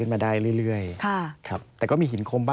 สวัสดีค่ะที่จอมฝันครับ